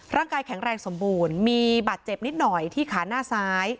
ร่างกายแข็งแรงสมบูรณ์มีบาดเจ็บนิดหน่อยที่ขาหน้าซ้าย